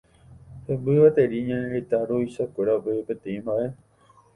Hemby gueteri ñane retã ruvichakuérape peteĩ mba'e